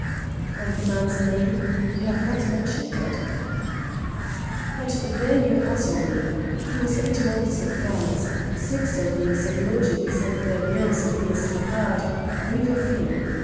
"And the man's name? you have not mentioned it." "But there you puzzle me. He was eight months in France, six of these in a lodging beside the Baigneurs on the Estrapade, Rue Dauphine.